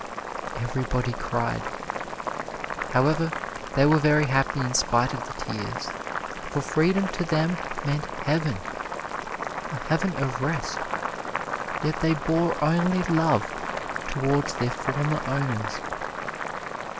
Everybody cried. However, they were very happy in spite of the tears, for freedom to them meant heaven a heaven of rest. Yet they bore only love towards their former owners.